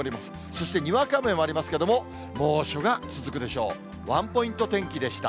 そしてにわか雨もありますけども、猛暑が続くでしょう。